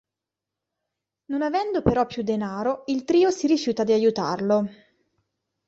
Non avendo però più denaro, il trio si rifiuta di aiutarlo.